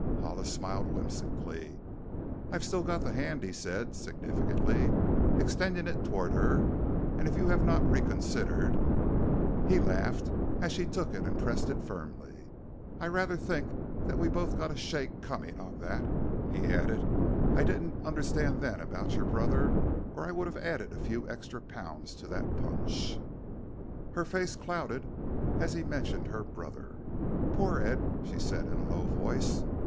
Hollis smiled whimsically. "I've still got the hand," he said significantly, extending it toward her "if you have not reconsidered." He laughed as she took it and pressed it firmly. "I rather think that we've both got a shake coming on that," he added. "I didn't understand then about your brother or I would have added a few extra pounds to that punch." Her face clouded as he mentioned her brother. "Poor Ed," she said in a low voice.